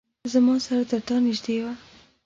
زما سره ترتا نیژدې وه